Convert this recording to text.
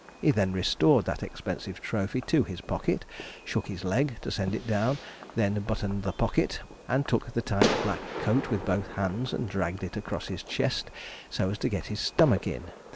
He then restored that expensive trophy to his pocket, shook his leg, to send it down, then buttoned the pocket, and took the tight black coat with both hands and dragged it across his chest, so as to get his stomach in.